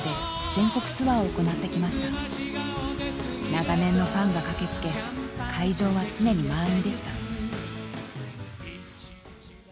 長年のファンが駆けつけ会場は常に満員でした。